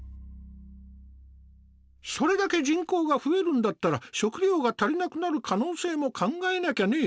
それだけ人口が増えるんだったら食糧が足りなくなる可能性も考えなきゃね。